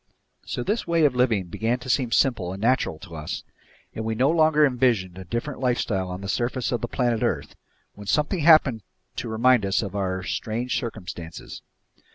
So this way of living began to seem simple and natural to us, and we no longer envisioned a different lifestyle on the surface of the planet earth, when something happened to remind us of our strange circumstances.